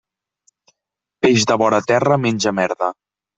Peix de vora terra menja merda.